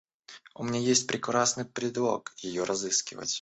У меня есть прекрасный предлог ее разыскивать.